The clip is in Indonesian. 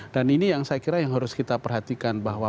dan ini yang saya kira yang harus kita saksikan dulu